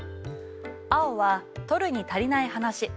青は取るに足りない話。